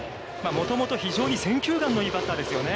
もともと非常に選球眼のいいバッターですよね。